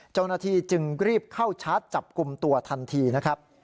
เจ้าหน้าที่จึงรีบเข้าชาร์จจับกลุ่มตัวทันทีนะครับ